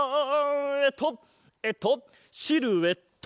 えっとえっとシルエット！